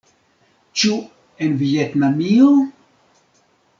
Ĉu en Vjetnamio?